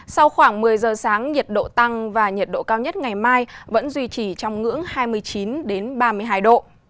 sau khoảng một mươi giờ sáng nhiệt độ tăng và nhiệt độ cao nhất ngày mai vẫn duy trì trong ngưỡng hai mươi chín ba mươi hai độ